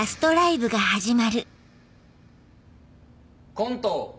コント